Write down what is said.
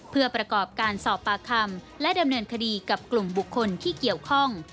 เพื่อประกอบการสอบปากคำและดำเนินคดีกับกลุ่มบุคคลที่เกี่ยวข้อง